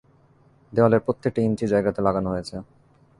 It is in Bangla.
দেওয়ালের প্রত্যেকটা ইঞ্চি জায়গাতে লাগানো হয়েছে।